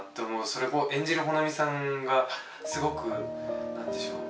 それを演じる保奈美さんがすごく何でしょう。